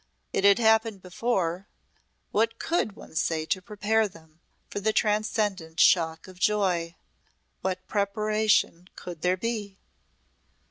It had happened before. What could one say to prepare them for the transcendent shock of joy? What preparation could there be?